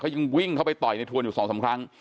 ยังวิ่งเข้าไปต่อยในทวนอยู่สองสามครั้ง